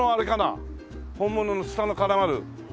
本物のツタの絡まる。